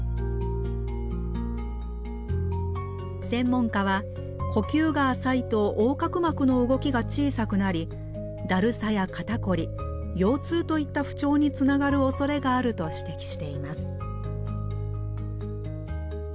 専門家は呼吸が浅いと横隔膜の動きが小さくなりだるさや肩こり腰痛といった不調につながるおそれがあると指摘しています。